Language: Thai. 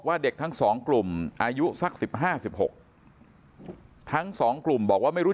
เด็กทั้งสองกลุ่มอายุสัก๑๕๑๖ทั้งสองกลุ่มบอกว่าไม่รู้